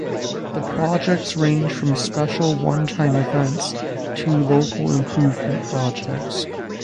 The projects ranged from special one-time events to local improvement projects.